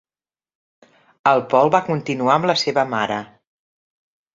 El Paul va continuar amb la seva mare.